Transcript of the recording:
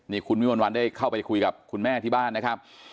นี่คุณวิมวลวันได้เข้าไปคุยกับคุณแม่ที่บ้านนะครับ